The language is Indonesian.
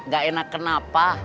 gak enak kenapa